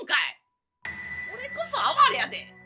それこそ哀れやで。